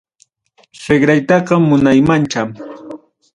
Suegraytaqa munaymancha.